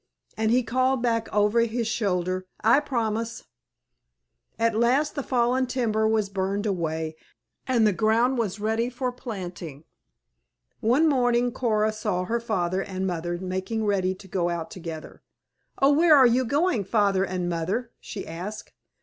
And he called back over his shoulder, "I promise!" At last the fallen timber was burned away, and the ground was ready for planting. One morning Coora saw her father and mother making ready to go out together. "Oh, where are you going, Father and Mother?" she asked.